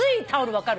分かる。